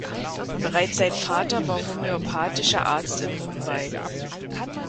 Bereits sein Vater war homöopathischer Arzt in Mumbai.